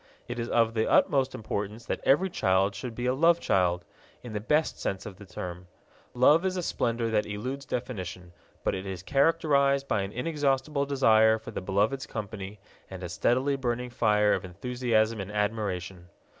It is of the utmost importance that every child should be a love child, in the best sense of the term. Love is a splendor that eludes definition, but it is characterized by an inexhaustible desire for the beloved's company and a steadily burning fire of enthusiasm and admiration.